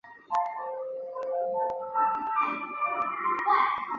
达斯奇决定到华盛顿特区的联邦调查局总部自首。